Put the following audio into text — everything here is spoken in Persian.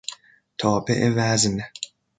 تابع وزن